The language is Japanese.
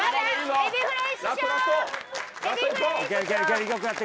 エエビフライ。